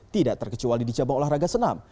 tidak terkecuali di cabang olahraga senam